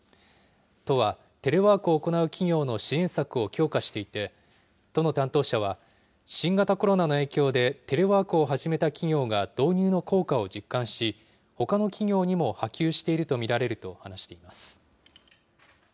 都はテレワークを行う企業の支援策を強化していて、都の担当者は、新型コロナの影響でテレワークを始めた企業が導入の効果を実感し、ほかの企業にも波及していると見られると話しています。